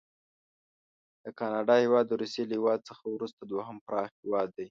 د کاناډا هیواد د روسي له هیواد څخه وروسته دوهم پراخ هیواد دی.